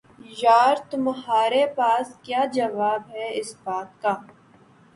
یار تمہارے پاس کیا جواب ہے اس بات کا